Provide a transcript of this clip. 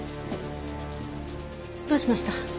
どうしました？